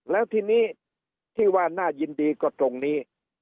แล้วทีนี้ที่ว่าน่ายินดีก็ตรงนี้